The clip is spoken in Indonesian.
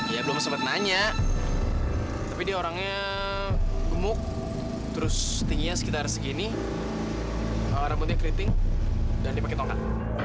ya belum sempat nanya tapi dia orangnya gemuk terus tingginya sekitar segini rambutnya keriting dan dipakai tongkat